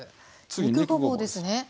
肉ごぼうですね。